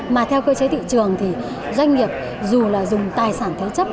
mà theo cơ chế thị trường thì doanh nghiệp dù là dùng tài sản thế chấp